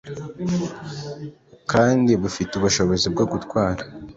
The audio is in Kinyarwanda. kandi bifite ubushobozi bwo gutwara